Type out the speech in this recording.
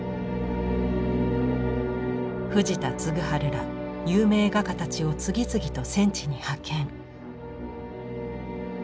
藤田嗣治ら有名画家たちを次々と戦地に派遣。